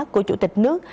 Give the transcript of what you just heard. của chủ tịch nước